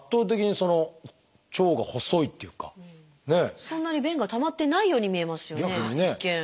そんなに便がたまってないように見えますよね一見。